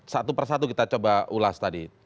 satu persatu kita coba ulas tadi